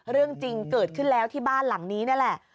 เรื่องจริงเกิดขึ้นแล้วที่บ้านหลังนี้นี่แหละ